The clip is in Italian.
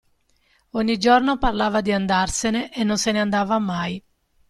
Ogni giorno parlava di andarsene e non se ne andava mai.